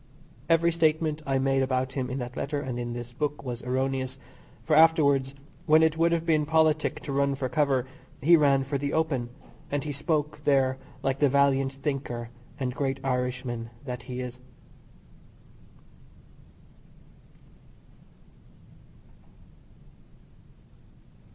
Every statement I made about him in that letter and in this book was erroneous; for, afterwards, when it would have been politic to run for cover, he ran for the open, and he spoke there like the valiant thinker and great Irishman that he is.